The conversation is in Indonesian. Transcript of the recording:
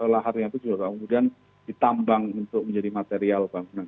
laharnya itu juga kemudian ditambang untuk menjadi material bangunan